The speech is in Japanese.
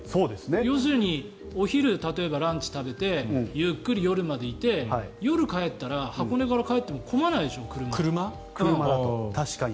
要するにお昼例えば、ランチを食べてゆっくり夜までいて夜に帰ったら、箱根から帰っても車、混まないでしょ。